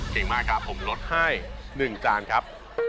เก่งมากครับผมลดให้๑จานครับ